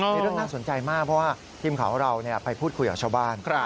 มีเรื่องน่าสนใจมากเพราะว่าทีมข่าวของเราไปพูดคุยกับชาวบ้าน